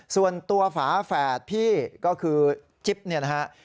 ส่วนตัวฝาแฝดพี่ก็คือจิ๊บนะครับ